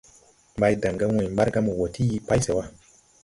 Mbaydan gà wãy Mbargā mo wɔɔ ti yii pay se wa.